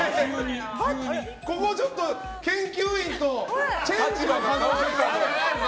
ここちょっと、研究員とチェンジの可能性がある。